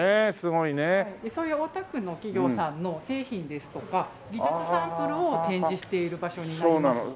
そういう大田区の企業さんの製品ですとか技術サンプルを展示している場所になります。